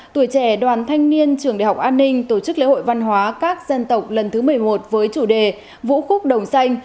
tuổi trẻ đoàn thanh niên trường đại học an ninh tổ chức lễ hội văn hóa các dân tộc lần thứ một mươi một với chủ đề vũ khúc đồng xanh